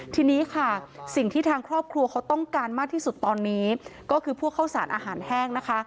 ทีนี้ค่ะสิ่งที่ทางครอบครัวเขาต้องการมากที่สุดตอนนี้ก็คือพวกข้าวสารอาหารแห้งนะคะ